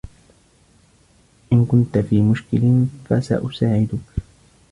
إن كنت في مشكل، فسأساعدك.